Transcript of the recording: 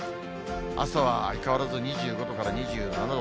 朝は相変わらず２５度から２７度。